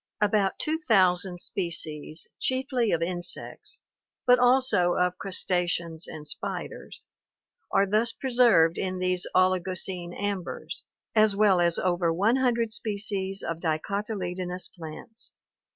About two thousand species, chiefly of insects, but also of crustaceans and spiders, are thus preserved in these Oligocene ambers, as well as over one hundred species of dicotyledonous plants.